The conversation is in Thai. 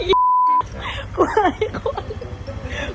อีกนึงเองไหมยี่หลายคน